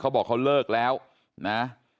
บอกเขาเลิกแล้วนะ